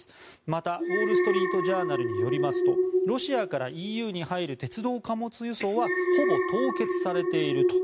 また、ウォール・ストリート・ジャーナルによりますとロシアからＥＵに入る鉄道貨物輸送はほぼ凍結されていると。